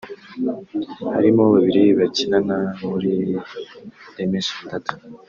harimo babiri bakinana muri Dimension Data